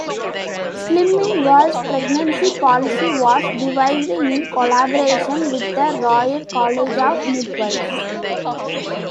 Slimming World's pregnancy policy was devised in collaboration with the Royal College of Midwives.